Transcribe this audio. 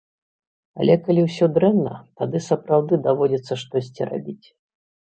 Але калі ўсё дрэнна, тады сапраўды даводзіцца штосьці рабіць.